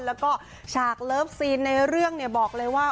แล้วก็ฉากเลิฟซีนในเรื่องเนี่ยบอกเลยว่า